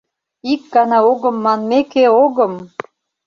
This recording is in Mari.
Ик гана огым манмеке, огым!